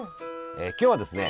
今日はですね